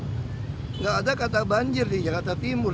tapi tidak ada kanal banjir di jakarta timur